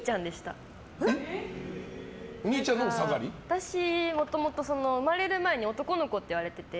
私、もともと生まれる前に男の子って言われてて。